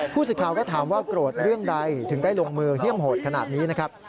สิทธิ์ข่าวก็ถามว่าโกรธเรื่องใดถึงได้ลงมือเยี่ยมโหดขนาดนี้นะครับ